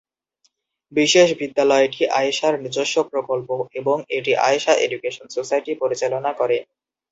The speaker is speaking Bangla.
বিশেষ বিদ্যালয়টি আয়েশার নিজস্ব প্রকল্প এবং এটি আয়শা এডুকেশন সোসাইটি পরিচালনা করে।